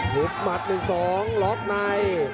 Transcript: หุบหมัด๑๒ล็อกใน